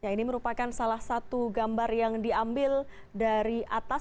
ini merupakan salah satu gambar yang diambil dari atas